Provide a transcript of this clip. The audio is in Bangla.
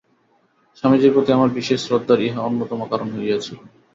স্বামীজীর প্রতি আমার বিশেষ শ্রদ্ধার ইহা অন্যতম কারণ হইয়াছিল।